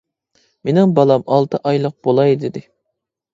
مېنىڭ بالام ئالتە ئايلىق بولاي دېدى.